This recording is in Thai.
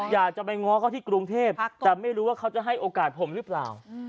อยากจะไปง้อเขาที่กรุงเทพแต่ไม่รู้ว่าเขาจะให้โอกาสผมหรือเปล่า